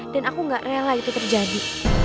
dan aku gak rela itu terjadi